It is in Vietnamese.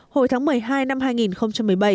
hồi tháng một mươi hai năm hai nghìn một mươi bảy